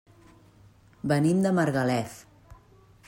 Venim de Margalef.